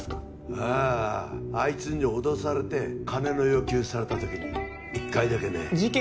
あああいつに脅されて金の要求されたときに１回だけね事件